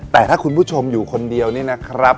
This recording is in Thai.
แต่ถ้าคุณผู้ชมอยู่คนเดียวนี่นะครับ